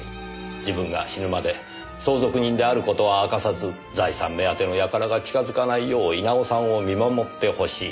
自分が死ぬまで相続人である事は明かさず財産目当てのやからが近づかないよう稲尾さんを見守ってほしい。